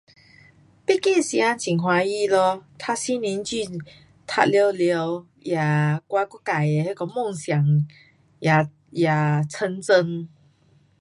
um 毕业时间很欢喜咯。读四年书，读了了，也，我自己的那个梦想也，也成真。